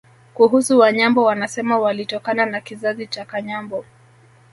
Kuhusu Wanyambo wanasema walitokana na kizazi cha Kanyambo